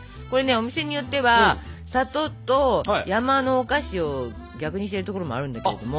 お店によっては「里」と「山」のお菓子を逆にしてるところもあるんだけれども。